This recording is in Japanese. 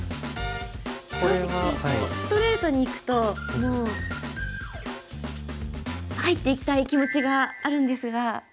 正直ストレートにいくともう入っていきたい気持ちがあるんですが。